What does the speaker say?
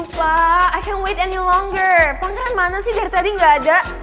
pangeran mana sih dari tadi ga ada